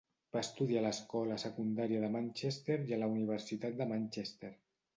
Va estudiar a l'Escola Secundària de Manchester i a la Universitat de Manchester.